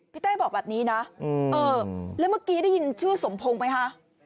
เต้บอกแบบนี้นะเออแล้วเมื่อกี้ได้ยินชื่อสมพงศ์ไหมคะ